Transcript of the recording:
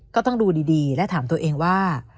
ก็ต้องดูดีและถามตัวเองว่า